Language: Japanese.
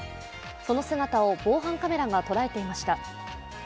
その姿を防犯カメラが捉えていました。